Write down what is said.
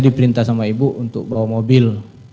diperintah sama ibu untuk bawa mobil